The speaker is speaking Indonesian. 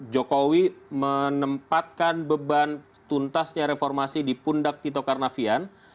jokowi menempatkan beban tuntasnya reformasi di pundak tito karnavian